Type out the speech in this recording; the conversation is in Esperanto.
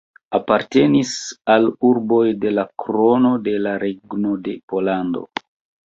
Apartenis al urboj de la Krono de la Regno de Pollando.